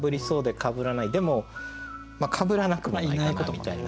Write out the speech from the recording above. でもかぶらなくはないかなみたいな。